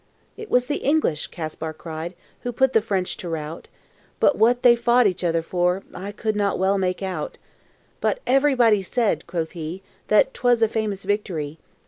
"It was the English," Kaspar cried, "Who put the French to rout; But what they fought each other for, I could not well make out; But everybody said," quoth he, "That 'twas a famous victory.